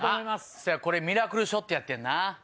せやこれミラクルショットやってんな。